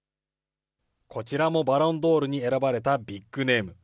こちらもバロンドールに選ばれたビッグネーム。